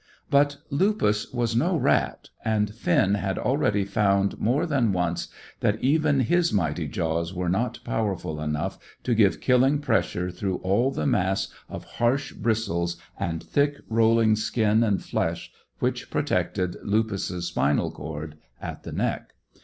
But Lupus was no rat, and Finn had already found more than once that even his mighty jaws were not powerful enough to give killing pressure through all the mass of harsh bristles and thick rolling skin and flesh which protected Lupus's spinal cord at the neck.